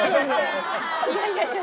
いやいやいや。